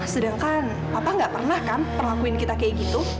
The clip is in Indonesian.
sedangkan apa nggak pernah kan perlakuin kita kayak gitu